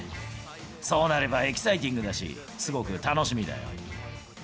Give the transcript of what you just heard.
そうなればエキサイティングだし、すごく楽しみだよ。